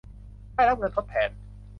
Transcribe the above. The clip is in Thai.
ได้รับเงินทดแทน